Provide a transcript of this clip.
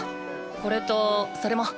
これとそれも。